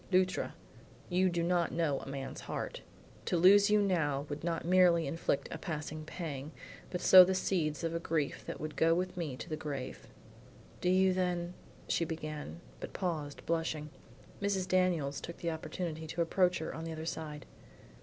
"Luttra, you do not know a man's heart. To lose you now would not merely inflict a passing pang, but sow the seeds of a grief that would go with me to the grave." "Do you then" she began, but paused blushing. Mrs. Daniels took the opportunity to approach her on the other side.